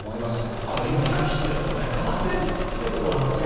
あと、雪かきしてるとねたまったりしてるところがあるんですよ。